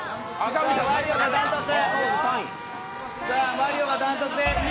マリオが断トツ。